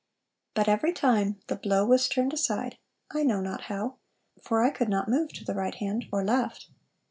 But every time the blow was turned aside, I know not how; for I could not move to the right hand or left....